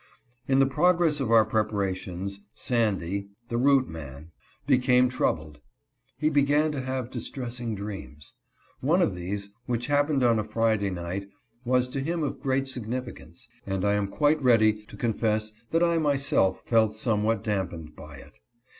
In the progress of our preparations Sandy (the root man) became troubled. He began to have distressing dreams. One of these, which happened on a Friday night, was to him of great significance, and I am quite ready to confess that I myself felt somewhat damped by it.